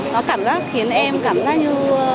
nó cảm giác khiến em cảm giác như